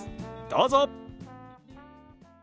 どうぞ。